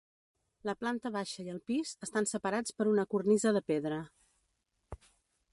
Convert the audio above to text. La planta baixa i el pis estan separats per una cornisa de pedra.